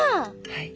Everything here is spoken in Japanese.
はい。